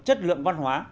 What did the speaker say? chất lượng văn hóa